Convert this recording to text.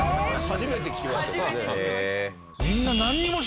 初めて聞きました。